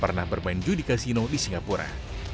karena bermain judi kasino di singapura